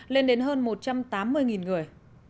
lên đến hơn một trăm tám mươi người